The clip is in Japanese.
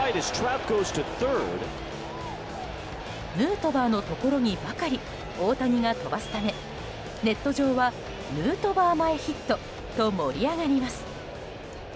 ヌートバーのところにばかり大谷が飛ばすためネット上は「ヌートバー前ヒット」と盛り上がります。